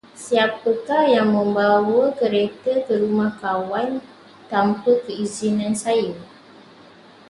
Siapakah yang membawa kereta ke rumah kawan tanpa keizinan saya?